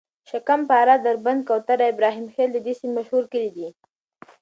شکم پاره، دربند، کوتره، ابراهیم خیل د دې سیمې مشهور کلي دي.